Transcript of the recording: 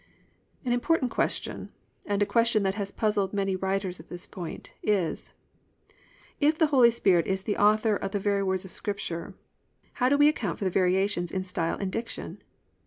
An important question, and a question that has puzzled many writers at this point, is: If the Holy Spirit is the author of the very words of Scripture how do we account for the variations in style and diction?